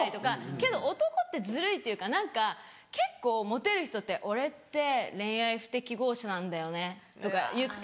けど男ってずるいっていうか何か結構モテる人って「俺って恋愛不適合者なんだよね」とか言って。